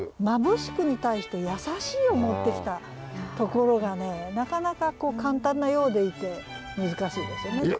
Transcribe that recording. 「まぶしく」に対して「やさしい」を持ってきたところがねなかなか簡単なようでいて難しいですよね。